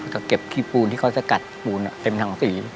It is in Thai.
จะเก็บขี้ปูนที่เขาจะกัดปูนอ่ะเป็นถังสี่